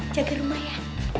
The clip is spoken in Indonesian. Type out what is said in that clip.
jaga rumah ya